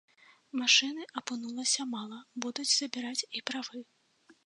Машыны апынулася мала, будуць забіраць і правы.